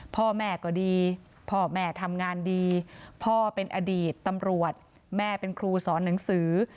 พ่อแม่ก็ดีพ่อแม่ทำงานดีพ่อเป็นอดีตตำรวจแม่เป็นครูสอนหนังสือ